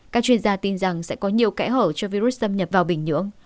các chuyên gia tin rằng sẽ có nhiều kẽ hở cho virus xâm nhập vào bình nhưỡng